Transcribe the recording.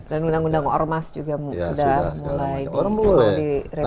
dan undang undang ormas juga sudah mulai direvisi